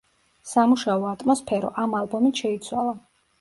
სამუშაო ატმოსფერო ამ ალბომით შეიცვალა.